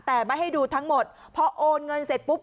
แต่ไม่ให้ดูทั้งหมดพอโอนเงินเสร็จปุ๊บ